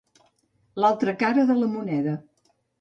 L'altra cara de la moneda.